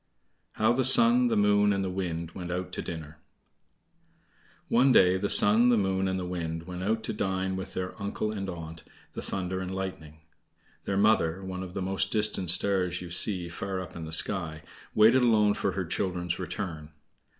How the Sun, the Moon, and the Wind Went Out to Dinner One day the Sun, the Moon, and the Wind went out to dine with their uncle and aunt, the thunder and lightning. Their mother (one of the most distant stars you see far up in the sky) waited alone for her children's return.